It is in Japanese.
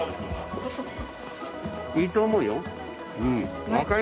いいと思うよ。